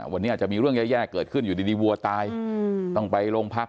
วันนี้อาจจะมีเรื่องแย่เกิดขึ้นอยู่ดีวัวตายต้องไปโรงพัก